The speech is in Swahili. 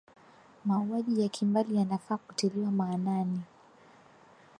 mauaji ya kimbali yanafaa kutiliwa maanani